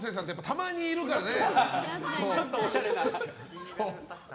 たまにいるからね。